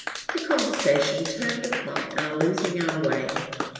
The conversation turned upon our losing our way.